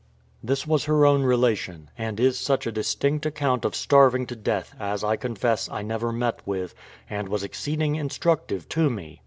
This was her own relation, and is such a distinct account of starving to death, as, I confess, I never met with, and was exceeding instructive to me.